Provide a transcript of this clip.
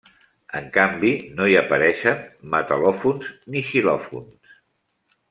En canvi, no hi apareixen metal·lòfons ni xilòfons.